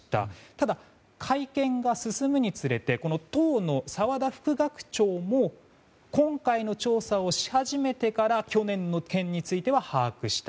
ただ、会見が進むにつれて当の澤田副学長も今回の調査をし始めてから去年の件については把握した。